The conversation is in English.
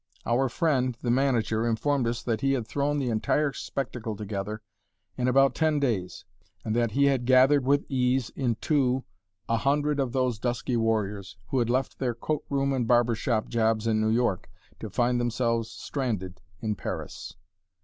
Our friend, the manager, informed us that he had thrown the entire spectacle together in about ten days, and that he had gathered with ease, in two, a hundred of those dusky warriors, who had left their coat room and barber shop jobs in New York to find themselves stranded in Paris.